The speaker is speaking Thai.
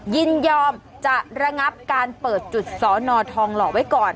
ยินยอมจะระงับการเปิดจุดสอนอทองหล่อไว้ก่อน